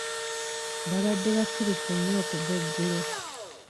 Babadde basirifu nnyo okuva eggulo.